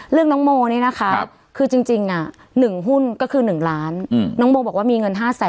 น้องโมนี่นะคะคือจริง๑หุ้นก็คือ๑ล้านน้องโมบอกว่ามีเงิน๕แสน